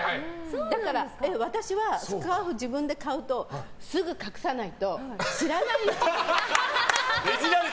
だから私はスカーフ自分で買うとすぐ隠さないと知らないうちに。